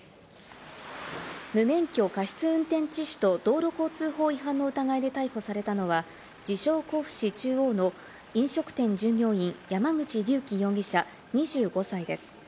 無免許過失運転致死と道路交通法違反の疑いで逮捕されたのは自称甲府市中央の飲食店従業員、山口竜己容疑者、２５歳です。